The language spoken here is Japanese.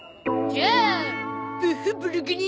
じゃあ。